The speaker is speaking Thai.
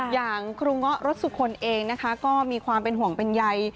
อย่างครูเงาะรสสุคลเองนะคะก็มีความเป็นห่วงเป็นใย